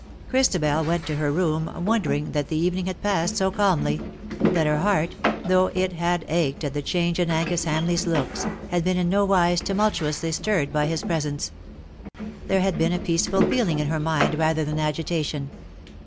Christabel went to her room wondering that the evening had passed so calmly^ — that her heart — though it had ached at the change in Angus Hamleigh's looks, had been in no wise tumul tuously stirred by his presence. There had been a peaceful feeling in her mind rather than agitation.